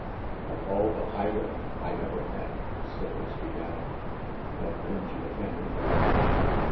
"Of all the highwaymen I ever met " Stipples began, but Rangy again interrupted.